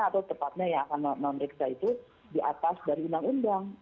atau tepatnya yang akan memeriksa itu di atas dari undang undang